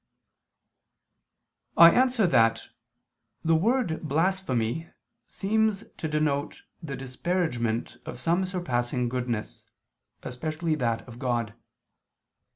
I answer that, The word blasphemy seems to denote the disparagement of some surpassing goodness, especially that of God.